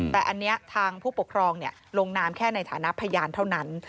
แต่อันนี้ทางผู้ปกครองลงนามแค่ในฐานะพยานเท่านั้น